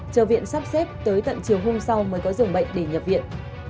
chờ viện sắp xếp tới tận chiều hôm sau mới có dường bệnh để nhập viện